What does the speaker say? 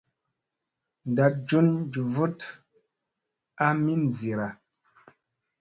Ndat njun njuvut a min zira.